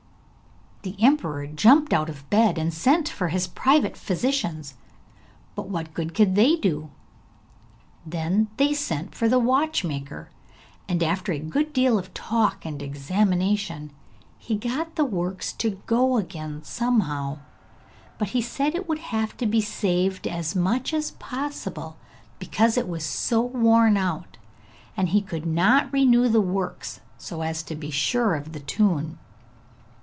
The emperor jumped out of bed and sent for his private physicians, but what good could they do? Then they sent for the watchmaker, and after a good deal of talk and examination he got the works to go again somehow; but he said it would have to be saved as much as possible, because it was so worn out, and he could not renew the works so as to be sure of the tune.